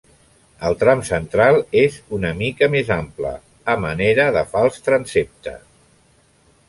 El tram central és una mica més ample, a manera de fals transsepte.